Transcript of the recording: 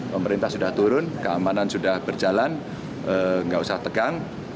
pemerintah sudah turun keamanan sudah berjalan nggak usah tegang